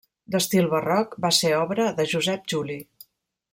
D'estil barroc, va ser obra de Josep Juli.